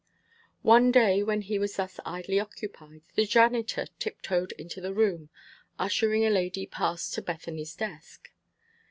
One day when he was thus idly occupied, the janitor tiptoed into the room, ushering a lady past to Bethany's desk.